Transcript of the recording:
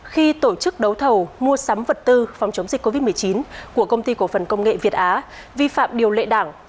khi tổ chức đấu thầu mua sắm vật tư phòng chống dịch covid một mươi chín của công ty cổ phần công nghệ việt á